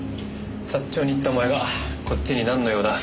サッチョウに行ったお前がこっちになんの用だ？